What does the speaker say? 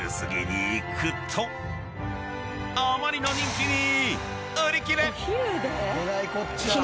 ［あまりの人気に］